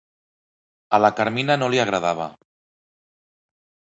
A la Carmina no li agradava.